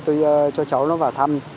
tôi cho cháu nó vào thăm